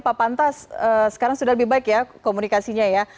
pak pantas sekarang sudah lebih baik ya komunikasinya ya